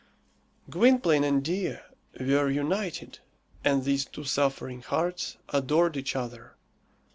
Gwynplaine and Dea were united, and these two suffering hearts adored each other.